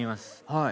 はい。